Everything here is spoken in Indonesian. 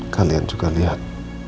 kalian juga lihat